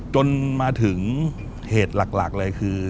จนมาถึงเหตุหลักเลยคือ